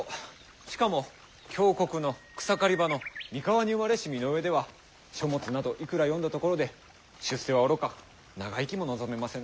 しかも強国の草刈り場の三河に生まれし身の上では書物などいくら読んだところで出世はおろか長生きも望めませぬ。